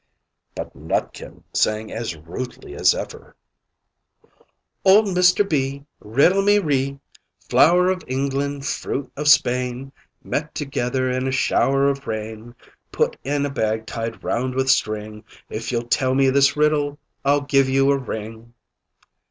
But Nutkin sang as rudely as ever "Old Mr. B! riddle me ree! Flour of England, fruit of Spain, Met together in a shower of rain; Put in a bag tied round with a string, If you'll tell me this riddle, I'll give you a ring!"